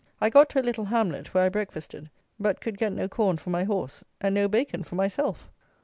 I got to a little hamlet, where I breakfasted; but could get no corn for my horse, and no bacon for myself!